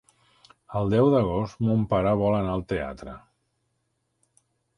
El deu d'agost mon pare vol anar al teatre.